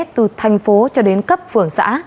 từ thành phố cho đến cấp phường xã